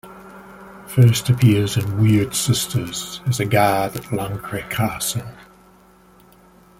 First appears in "Wyrd Sisters" as a guard at Lancre Castle.